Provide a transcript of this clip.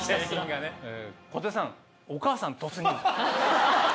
小手さん「お母さん突入」？